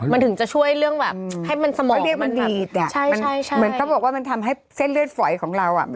มันถึงจะช่วยเรื่องแบบให้มันสมองเลือดมันดีดอ่ะเหมือนเขาบอกว่ามันทำให้เส้นเลือดฝอยของเราอ่ะ